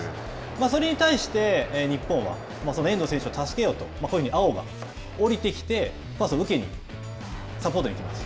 それに対して、日本はその遠藤選手を助けようとこういうふうに碧がおりてきて受けにサポートに行きます。